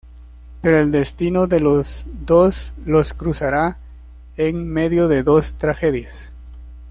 Pero el destino de los dos los cruzará en medio de dos tragedias.